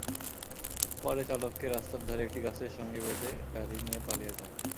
পরে চালককে রাস্তার ধারে একটি গাছের সঙ্গে বেঁধে গাড়ি নিয়ে পালিয়ে যায়।